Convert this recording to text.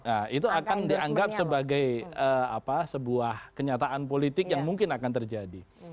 nah itu akan dianggap sebagai sebuah kenyataan politik yang mungkin akan terjadi